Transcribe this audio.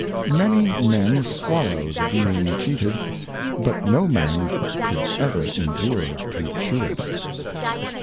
MANY Men swallow the being cheated, but no Man could Cheata. ever endure to chew it.